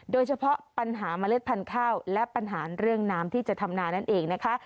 โดยเฉพาะปัญหาเมล็ดพันธุ์ข้าวและปัญหาเรื่องน้ำที่จะทำนานั่นเองนะคะ